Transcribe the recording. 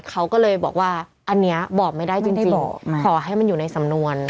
เขาก็เลยบอกว่าอันนี้บอกไม่ได้จริงขอให้มันอยู่ในสำนวน